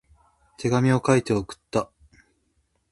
手紙を書いて送った。